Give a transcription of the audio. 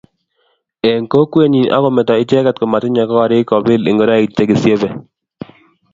Eng kokwenyi akometo icheget komotinye gorik kobil ngoroik chekesiebei